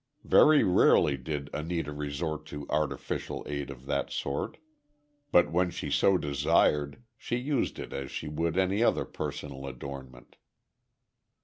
Very rarely did Anita resort to artificial aid of that sort, but when she so desired, she used it as she would any other personal adornment.